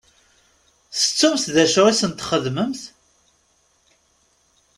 Tettumt d acu i sen-txedmemt?